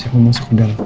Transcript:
saya mau masuk ke dalam